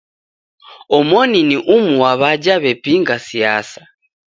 Omoni ni umu wa w'aja w'epinga siasa.